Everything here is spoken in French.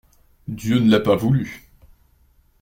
Dieu ne l'a pas voulu.